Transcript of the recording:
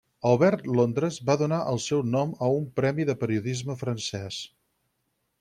Albert Londres va donar el seu nom a un premi del periodisme francès.